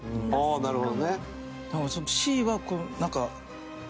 なるほど。